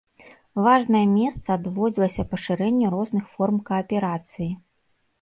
Важнае месца адводзілася пашырэнню розных форм кааперацыі.